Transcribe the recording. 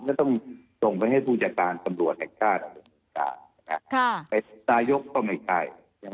ไม่ต้องตรงไปให้ผู้เจ็บตามสำรวจแห่งชาติศาลยกษ์ก็ไม่ใช่